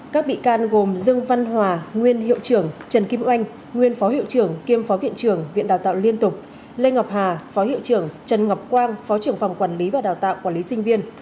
các bị can gồm dương văn hòa nguyên hiệu trưởng trần kim oanh nguyên phó hiệu trưởng kiêm phó viện trưởng viện đào tạo liên tục lê ngọc hà phó hiệu trưởng trần ngọc quang phó trưởng phòng quản lý và đào tạo quản lý sinh viên